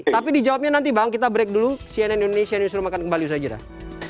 tapi dijawabnya nanti bang kita break dulu cnn indonesia newsroom akan kembali saja